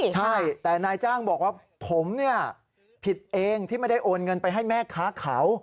ใช่แต่นายจ้างบอกว่าผมเนี่ยผิดเองที่ไม่ได้โอนเงินไปให้แม่ค้าเขา